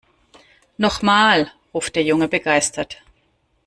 Noch mal!, ruft der Junge begeistert.